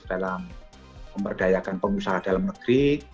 dalam memberdayakan pengusaha dalam negeri